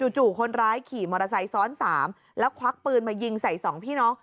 จู่คนร้ายขี่มอเตอร์ไซค์ซ้อน๓แล้วควักปืนมายิงใส่สองพี่น้อง